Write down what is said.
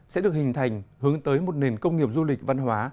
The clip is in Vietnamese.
sẽ được hình thành hướng tới một nền công nghiệp du lịch văn hóa